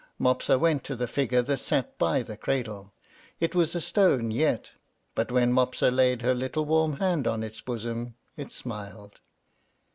Mopsa went to the figure that sat by the cradle. It was a stone yet, but when Mopsa laid her little warm hand on its bosom it smiled.